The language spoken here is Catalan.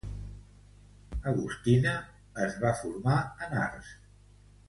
Agustina Otero es va formar en arts.